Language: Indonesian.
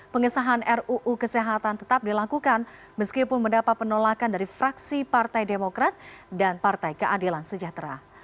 pengesahan ruu kesehatan tetap dilakukan meskipun mendapat penolakan dari fraksi partai demokrat dan partai keadilan sejahtera